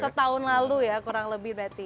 setahun lalu ya kurang lebih berarti